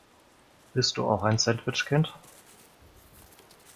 Bist du auch ein Sandwich-Kind?